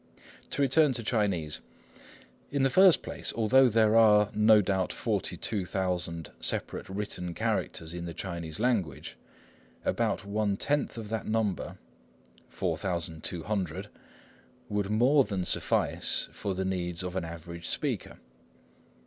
To return to Chinese. In the first place, although there are no doubt 42,000 separate written characters in the Chinese language, about one tenth of that number, 4200, would more than suffice for the needs of an average speaker.